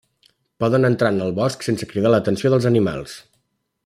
Poden entrar en el bosc sense cridar l'atenció dels animals.